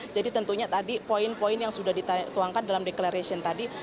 jadi tentunya tadi poin poin yang sudah dituangkan dalam deklarasi tadi